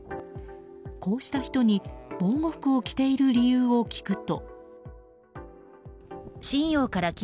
こうした人に防護服を着ている理由を聞くと。